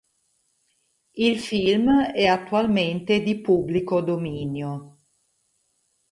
Il film è attualmente di pubblico dominio.